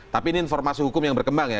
tapi ini informasi hukum yang berkembang ya